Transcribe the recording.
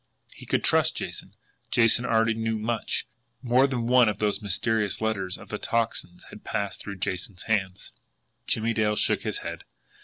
He could trust Jason; Jason already knew much more than one of those mysterious letters of the Tocsin's had passed through Jason's hands. Jimmie Dale shook his head.